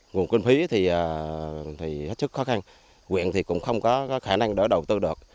nguồn kinh phí thì hết sức khó khăn huyện thì cũng không có khả năng để đầu tư được